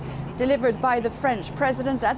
yang diberikan oleh presiden perancis